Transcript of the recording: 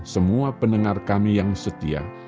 semua pendengar kami yang setia